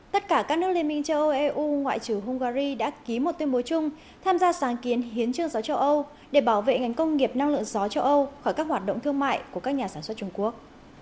tất cả các nước liên minh châu âu eu ngoại trừ hungary đã ký một tuyên bố chung tham gia sáng kiến hiến trương gió châu âu để bảo vệ ngành công nghiệp năng lượng gió châu âu khỏi các hoạt động thương mại của các nhà sản xuất trung quốc